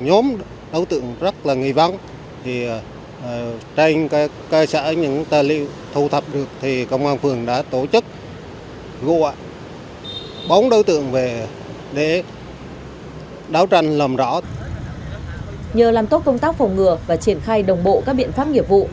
nhờ làm tốt công tác phòng ngừa và triển khai đồng bộ các biện pháp nghiệp vụ